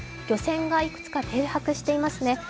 漁船がいくつか停泊していますね。